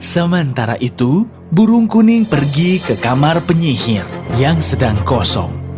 sementara itu burung kuning pergi ke kamar penyihir yang sedang kosong